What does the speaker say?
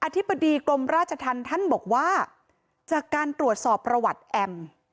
ธิบดีกรมราชธรรมท่านบอกว่าจากการตรวจสอบประวัติแอม